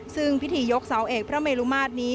ซึ่งพิธียกเสาเอกพระเมลุมาตรนี้